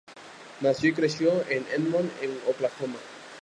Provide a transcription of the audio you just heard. Nació y creció en Edmond en Oklahoma.